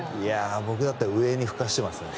僕だったら上にふかしてますね。